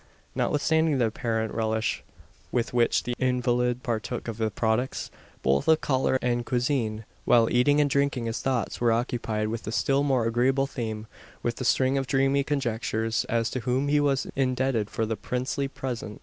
Notwithstanding the apparent relish with which the invalid partook of the products both of collar and cuisine while eating and drinking, his thoughts were occupied with a still more agreeable theme; with a string of dreamy conjectures, as to whom he was indebted for the princely present.